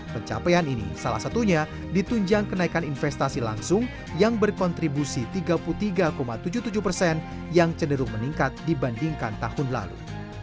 pencapaian ini salah satunya ditunjang kenaikan investasi langsung yang berkontribusi tiga puluh tiga tujuh puluh tujuh persen yang cenderung meningkat dibandingkan tahun lalu